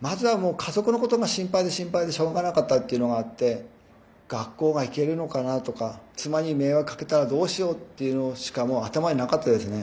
まずはもう家族のことが心配で心配でしょうがなかったっていうのがあって学校が行けるのかなとか妻に迷惑かけたらどうしようっていうのしかもう頭になかったですね。